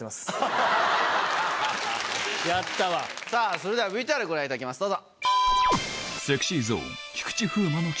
それではＶＴＲご覧いただきますどうぞ！